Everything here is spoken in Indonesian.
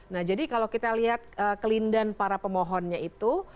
nah jadi kalau kita lihat kelindan para pemohonnya itu